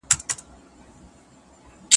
موږ په خپله خوله دی خپل بدن خوړلی